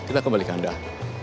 kita kembalikan dah